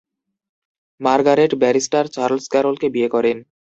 Margaret barrister Charles ক্যারলকে বিয়ে করেন।